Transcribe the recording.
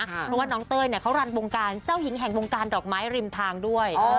เพราะว่าน้องเต้ยเขารันวงการเจ้าหญิงแห่งวงการดอกไม้ริมทางด้วย